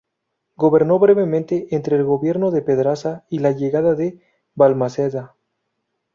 Gobernó brevemente entre el gobierno de Pedraza y la llegada de Balmaceda.